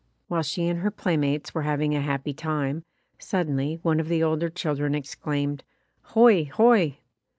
While she and her playmates were having a happy time, suddenly one of the older children ex claimed, "Hoi! hoi!"